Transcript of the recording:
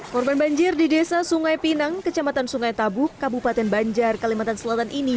korban banjir di desa sungai pinang kecamatan sungai tabuk kabupaten banjar kalimantan selatan ini